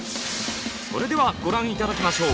それではご覧頂きましょう。